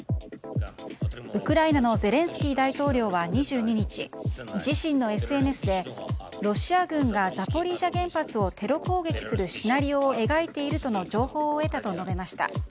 ウクライナのゼレンスキー大統領は２２日自身のＳＮＳでロシア軍がザポリージャ原発をテロ攻撃するシナリオを描いているとの情報を得たと述べました。